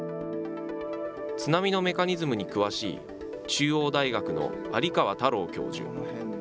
津波のメカニズムに詳しい、中央大学の有川太郎教授。